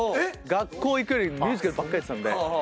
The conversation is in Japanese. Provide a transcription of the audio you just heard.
学校行くよりミュージカルばっかりやってたんで。